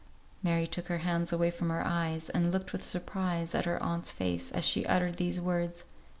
Mary took her hands away from her eyes, and looked with surprise at her aunt's face, as she uttered these words.